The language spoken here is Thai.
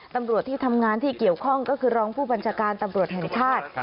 ตำรวจที่ทำงานที่เกี่ยวข้องก็คือรองผู้บัญชาการตำรวจแห่งชาติ